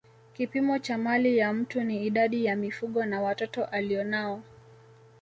Kipimo cha mali ya mtu ni idadi ya mifugo na watoto alionao